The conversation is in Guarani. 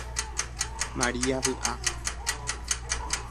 Maria vyʼa.